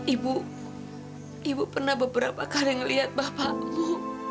ibu ibu pernah beberapa kali ngeliat bapakmu